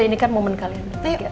ini kan momen kalian